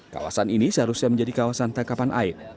kawasan ini seharusnya menjadi kawasan takapan air